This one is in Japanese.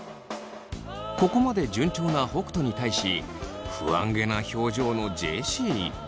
ここまで順調な北斗に対し不安げな表情のジェシー。